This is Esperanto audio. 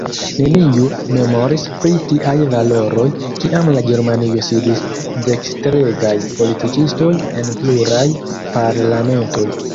Neniu memoris pri tiaj valoroj, kiam en Germanio sidis dekstregaj politikistoj en pluraj parlamentoj.